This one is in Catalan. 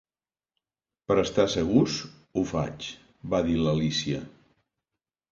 "Per estar segurs, ho faig", va dir l'Alícia.